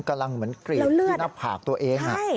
กำลังเหมือนกรีดที่นัดผากตัวเอง